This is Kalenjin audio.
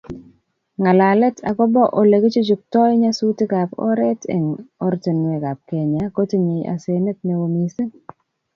Ngalalet agobo Ole kichuchuktoi nyasutikab oret eng oratinwekab Kenya kotinyei asenet neo missing